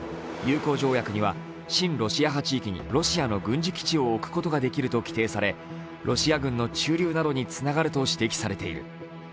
友好条約には親ロシア派支配地域にロシアの軍事基地を置くことができると規定されロシア軍の駐留などにつながると指摘されている。